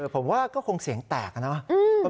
ผมว่าก็คงเสียงแตกนะ